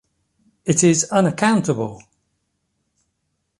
It is unaccountable!